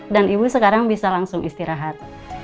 dan ibu sekarang bisa langsung istirahat